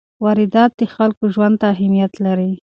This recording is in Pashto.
واردات د خلکو ژوند ته اهمیت لري.